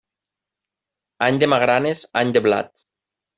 Any de magranes, any de blat.